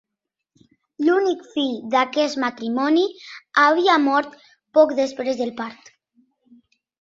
L'únic fill d'aquest matrimoni havia mort poc després del part.